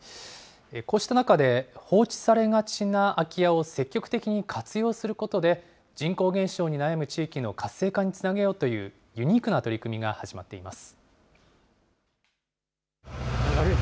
こうした中で、放置されがちな空き家を積極的に活用することで、人口減少に悩む地域の活性化につなげようというユニークな取り組みが始まっています。